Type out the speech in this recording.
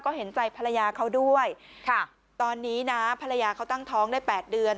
ก็เห็นใจภรรยาเขาด้วยค่ะตอนนี้นะภรรยาเขาตั้งท้องได้แปดเดือน